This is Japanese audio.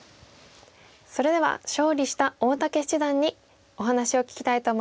それでは勝利した大竹七段にお話を聞きたいと思います。